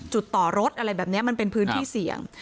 ต่อรถอะไรแบบนี้มันเป็นพื้นที่เสี่ยง